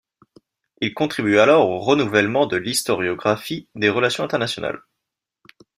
Il contribue alors au renouvellement de l'historiographie des relations internationales.